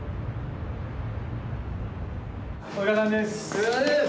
お疲れさまです！